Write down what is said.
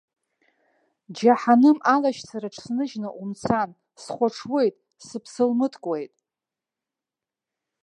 Џьаҳаным алашьцараҿ сныжьны умцан, схәаҽуеит, сыԥсылмыткуеит.